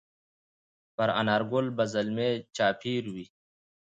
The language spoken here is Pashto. پر انارګل به زلمي چاپېروي